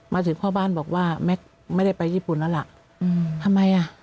มาถึงพ่อบ้านบอกว่าไม่ได้ไปญี่ปุ่นละละทำไมอะ